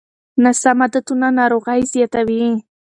ناسم عادتونه ناروغۍ زیاتوي.